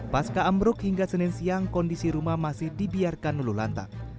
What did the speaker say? pas ke amruk hingga senin siang kondisi rumah masih dibiarkan luluh lantai